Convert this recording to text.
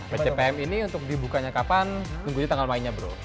pcpm ini untuk dibukanya kapan tunggunya tanggal mainnya bro